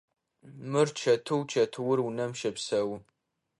Мыр чэтыу, чэтыур унэм щэпсэу.